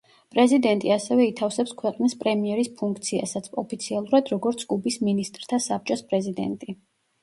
პრეზიდენტი ასევე ითავსებს ქვეყნის პრემიერის ფუნქციასაც, ოფიციალურად როგორც კუბის მინისტრთა საბჭოს პრეზიდენტი.